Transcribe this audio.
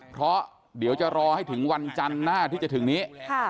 เพราะเดี๋ยวจะรอให้ถึงวันจันทร์หน้าที่จะถึงนี้